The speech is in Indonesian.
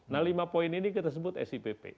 nah lima poin ini kita sebut sipp